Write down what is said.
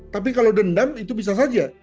tapi kalau dendam itu bisa saja